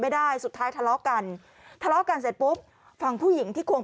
สุดท้ายทะเลาะกันทะเลาะกันเสร็จปุ๊บฝั่งผู้หญิงที่ควง